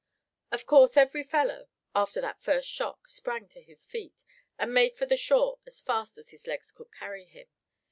Of course every fellow, after that first shock, sprang to his feet, and made for the shore as fast as his legs could carry him.